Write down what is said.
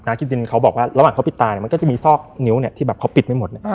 คิดดินเขาบอกว่าระหว่างเขาปิดตามันก็จะมีซอกนิ้วที่แบบเขาปิดไม่หมด